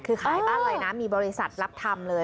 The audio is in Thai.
คือขายบ้านเลยนะมีบริษัทรับทำเลย